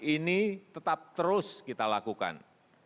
ini tetap terus kita lakukan